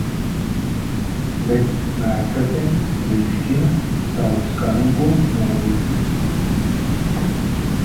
Bet m?rkazi?a str??? savu skan?go m?l?ti.